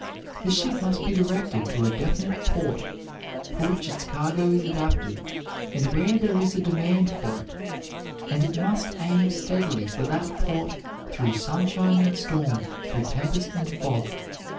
The ship must be directed to a definite port, for which its cargo is adapted, and where there is a demand for it, and it must aim steadily for that port through sunshine and storm, through tempest and fog.